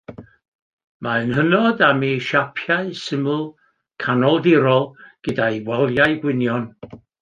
Mae'n hynod am ei siapau syml, Canoldirol, gyda'i waliau gwynion.